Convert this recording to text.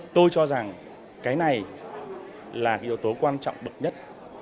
tôi cho rằng cái này là yếu tố quan trọng bậc nhất